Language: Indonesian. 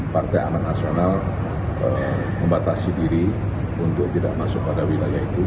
partai amanat nasional membatasi diri untuk tidak masuk pada wilayah itu